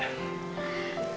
terima kasih pak